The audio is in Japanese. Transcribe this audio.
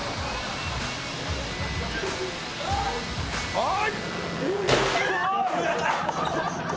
はい！